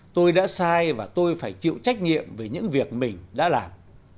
tôi đã sai và tôi phải chịu trách nhiệm về những việc mình đã làm